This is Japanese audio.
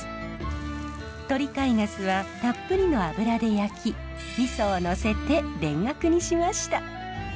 鳥飼ナスはたっぷりの油で焼き味をのせて田楽にしました。